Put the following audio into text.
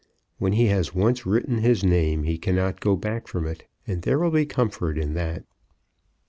When he has once written his name, he cannot go back from it, and there will be comfort in that."